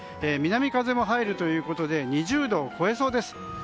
南風も入るということで２０度を超えそうです。